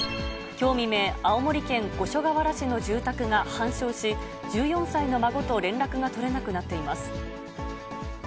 きょう未明、青森県五所川原市の住宅が半焼し、１４歳の孫と連絡が取れなくなっています。